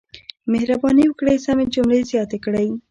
مهرباني وکړئ سمې جملې زیاتې کړئ.